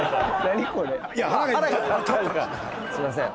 すいません。